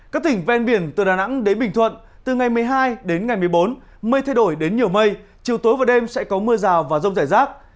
các tỉnh ven biển từ đà nẵng đến bình thuận từ ngày một mươi hai đến ngày một mươi bốn mây thay đổi đến nhiều mây chiều tối và đêm sẽ có mưa rào và rông rải rác